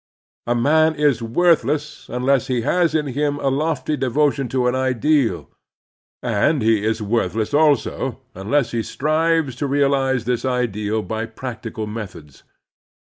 A man is worthless unless he has in him a lofty devotion to an ideal, and he is worthless also imless he strives to realize this ideal by practical methods.